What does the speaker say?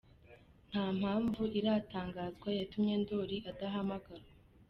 Nta mpamvu iratangazwa yatumye Ndoli adahamagarwa.